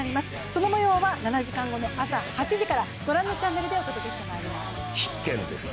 その模様は７時間後の朝８時から御覧のチャンネルでお届けしてまいります。